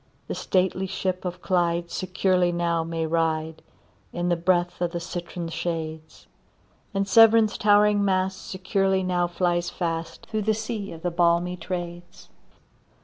The stately ship of Clyde securely now may ride, In the breath of the citron shades; And Severn's towering mast securely now flies fast, Through the sea of the balmy Trades.